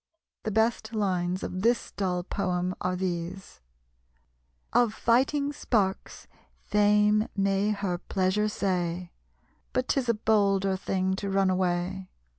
The best lines of this dull poem are these: "Of fighting sparks Fame may her pleasure say, But 'tis a bolder thing to run away.